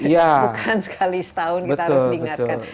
bukan sekali setahun kita harus diingatkan